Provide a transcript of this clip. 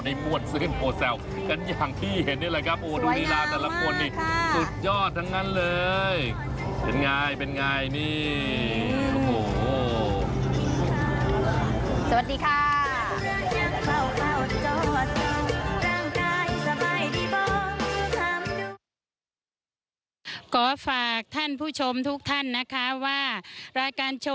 ในมวดซื่นโฟแซลกันอย่างที่เห็นนี่แหละครับโอ้ดูนิราตร์ทั้งละคนสุดยอดทั้งนั้นเลย